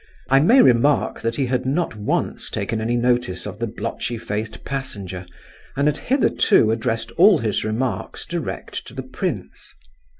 I may remark that he had not once taken any notice of the blotchy faced passenger, and had hitherto addressed all his remarks direct to the prince.